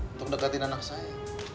untuk dekatin anak saya